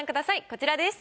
こちらです。